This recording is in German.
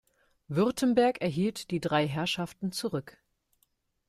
Württemberg erhielt die drei Herrschaften zurück.